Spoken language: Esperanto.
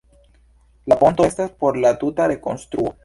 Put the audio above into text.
La ponto estas por la tuta rekonstruo.